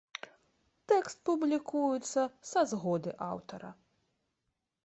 Тэкст публікуецца са згоды аўтара.